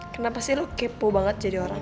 kenapa sih lo kepo banget jadi orang